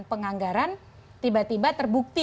penganggaran tiba tiba terbukti